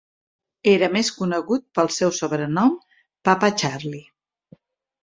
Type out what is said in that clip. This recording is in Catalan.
Era més conegut pel seu sobrenom, Papa Charlie.